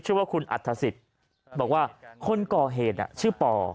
ชื่อว่าคุณอัฐศิษย์บอกว่าคนก่อเหตุชื่อป่อ